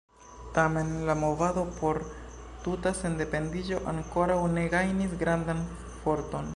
Tamen, la movado por tuta sendependiĝo ankoraŭ ne gajnis grandan forton.